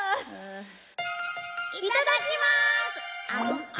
いただきます。